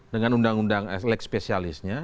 dengan undang undang lekspesialisnya